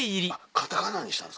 片仮名にしたんですか。